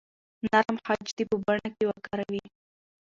نرم خج دې په بڼه کې وکاروئ.